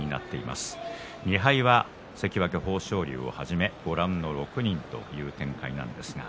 ２敗は関脇豊昇龍をはじめご覧の６人という展開です。